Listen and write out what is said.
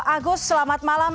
agus selamat malam